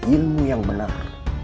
ilmu yang benar